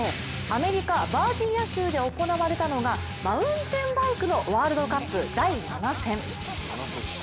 アメリカ・バージニア州で行われたのがマウンテンバイクのワールドカップ第７戦。